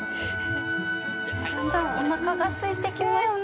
◆だんだんおなかがすいてきましたね。